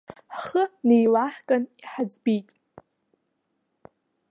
Ҳхы неилаҳкын иҳаӡбеит.